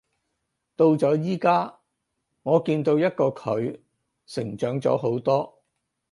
到咗而家，我見到一個佢成長咗好多